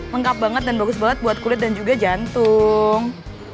lengkap banget dan bagus banget buat kulit dan juga jantung